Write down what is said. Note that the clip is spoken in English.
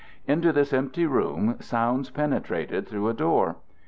Into this empty room sounds penetrated through a door.